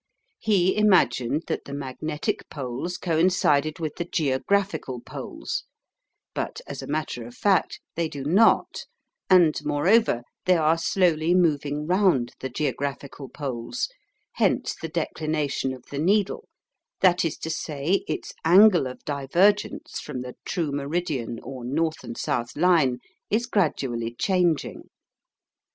He imagined that the magnetic poles coincided with the geographical poles, but, as a matter of fact, they do not, and, moreover, they are slowly moving round the geographical poles, hence the declination of the needle, that is to say its angle of divergence from the true meridian or north and south line, is gradually changing.